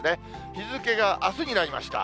日付があすになりました。